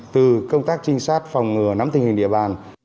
từ công tác trinh sát phòng ngừa nắm tình hình địa bàn